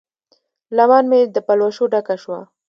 لمن مې د پلوشو ډکه شوه